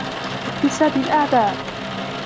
وَاكْتِسَابِ الْأَعْدَاءِ